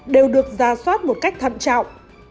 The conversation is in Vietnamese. đều được ra soát một cách thận trọng